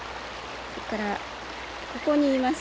それからここにいます